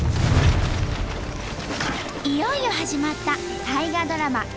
いよいよ始まった大河ドラマ